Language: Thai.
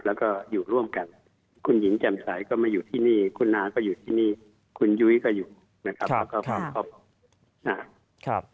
แล้วก็อยู่ร่วมกันคุณหญิงแจ่มใสก็มาอยู่ที่นี่คุณน้าก็อยู่ที่นี่คุณยุ้ยก็อยู่นะครับแล้วก็คุณท็อปนะครับ